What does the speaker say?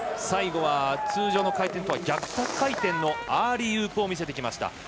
最後は通常の回転とは逆回転のアーリーウープを見せてきました。